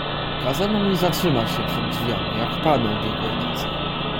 "Kazano mi zatrzymać się przed drzwiami, jak panu ubiegłej nocy."